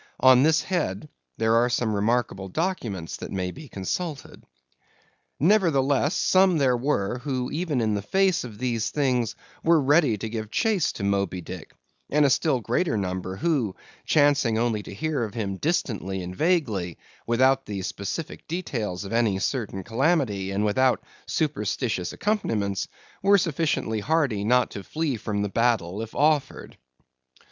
On this head, there are some remarkable documents that may be consulted. Nevertheless, some there were, who even in the face of these things were ready to give chase to Moby Dick; and a still greater number who, chancing only to hear of him distantly and vaguely, without the specific details of any certain calamity, and without superstitious accompaniments, were sufficiently hardy not to flee from the battle if offered.